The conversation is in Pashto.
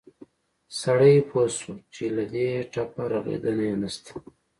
سړى پوى شو چې له دې ټپه رغېدن يې نه شته.